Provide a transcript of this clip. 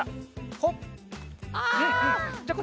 ほっ！